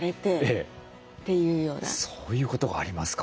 そういうことがありますか。